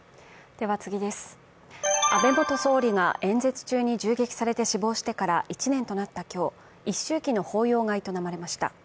安倍元総理が演説中に銃撃されて死亡してから１年となった今日、一周忌の法要が営まれました。